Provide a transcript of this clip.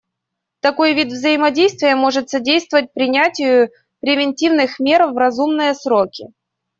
Такой вид взаимодействия может содействовать принятию превентивных мер в разумные сроки.